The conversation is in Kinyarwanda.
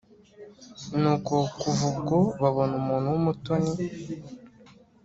nuko kuva ubwo, babona umuntu w'umutoni